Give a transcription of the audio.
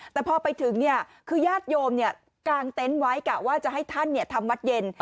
แต่พอไปถึงเนี่ยคือยาดโยมเนี่ยกางเต้นไว้กะว่าจะให้ท่านเนี่ยทำวัดเย็น